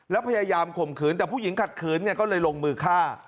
แล้วพยายามข่มขืนแต่ผู้หญิงขัดขืนก็เลยลงมือฆ่า